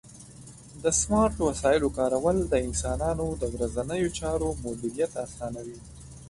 د سمارټ وسایلو کارول د انسانانو د ورځنیو چارو مدیریت اسانوي.